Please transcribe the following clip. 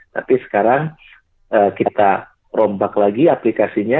tapi sekarang kita rombak lagi aplikasinya